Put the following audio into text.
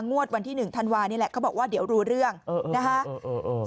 งวดวันที่หนึ่งธันวานี่แหละเขาบอกว่าเดี๋ยวรู้เรื่องเออนะฮะ